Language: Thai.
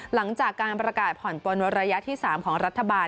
หลังจากการประกาศผ่อนปนระยะที่๓ของรัฐบาล